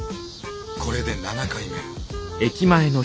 これで７回目。